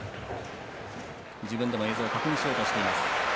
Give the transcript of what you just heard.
自分でも映像を確認しようとしています。